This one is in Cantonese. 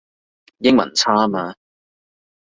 英文差吖嘛